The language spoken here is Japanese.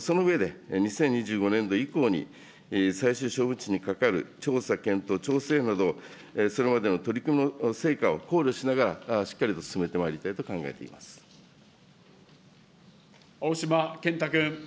その上で、２０２５年度以降に、最終処分地にかかる調査、検討、調整など、それまでの取り組みの成果を考慮しながら、しっかりと進めてまい青島健太君。